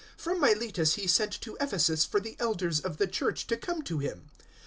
020:017 From Miletus he sent to Ephesus for the Elders of the Church to come to him.